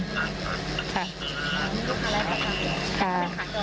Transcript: มีลูกค้าไลค์ประจำอยู่หรือเปล่า